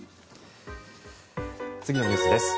次のニュースです。